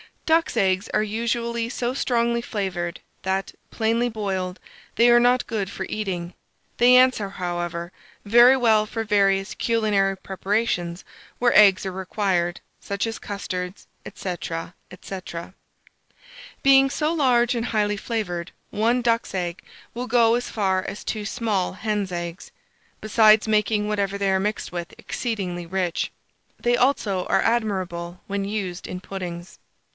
Ducks' eggs are usually so strongly flavoured that, plainly boiled, they are not good for eating; they answer, however, very well for various culinary preparations where eggs are required; such as custards, &c. &c. Being so large and highly flavoured, 1 duck's egg will go as far as 2 small hen's eggs; besides making whatever they are mixed with exceedingly rich. They also are admirable when used in puddings.